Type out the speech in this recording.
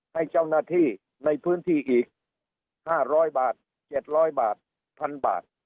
ให้เจ้าหน้าที่ในพื้นที่อีกห้าร้อยบาทเจ็ดร้อยบาทพันบาท